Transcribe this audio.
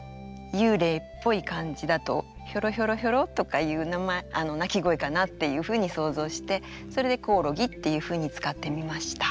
幽霊っぽい感じだとヒョロヒョロヒョロとかいう鳴き声かなっていうふうに想像してそれで「こおろぎ」っていうふうに使ってみました。